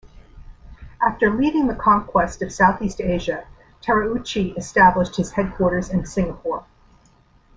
After leading the conquest of Southeast Asia, Terauchi established his headquarters in Singapore.